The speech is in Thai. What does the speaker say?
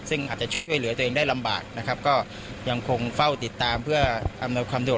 ซึ่งอาจจะช่วยเหลือตัวเองได้ลำบากนะครับก็ยังคงเฝ้าติดตามเพื่ออำนวยความสะดวก